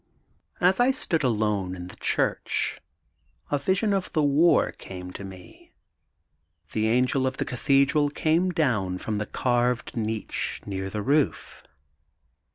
'^As I stood alone in the church, a vision of the war came to me. The angel of the Cathedral came down from the carved niche near the roof.